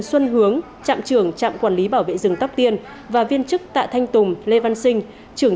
xuân hướng trạm trưởng trạm quản lý bảo vệ rừng tóc tiên và viên chức tạ thanh tùng lê văn sinh trưởng